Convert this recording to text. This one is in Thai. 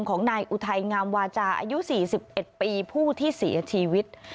ของนายอุทัยงามวาจาอายุ๔๑ปีผู้ที่เสียชีวิต